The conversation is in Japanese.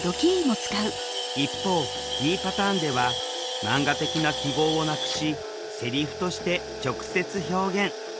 一方Ｂパターンではマンガ的な記号をなくしセリフとして直接表現。